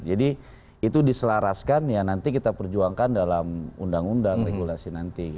jadi itu diselaraskan ya nanti kita perjuangkan dalam undang undang regulasi nanti